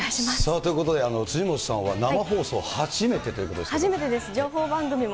ということで、辻元さんは生放送初めてということですけれども。